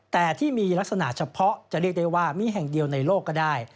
แต่ที่มีลักษณะเฉพาะจะเรียกได้ว่ามีแห่งเดียวในโลกก็ได้